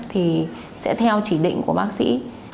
thì sẽ theo chỉ định của bác sĩ